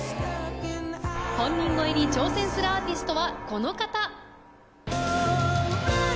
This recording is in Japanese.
本人超えに挑戦するアーティストはこの方。